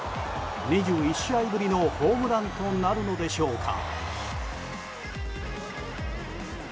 ２１試合ぶりのホームランとなるんでしょうか。